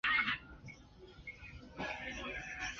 周家父子周金与周阿瑞分别是何家的管家和佣工。